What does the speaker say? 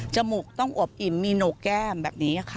มูกต้องอวบอิ่มมีโหนกแก้มแบบนี้ค่ะ